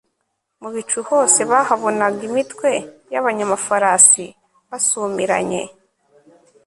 mu bicu hose bahabonaga imitwe y'abanyamafarasi basumiranye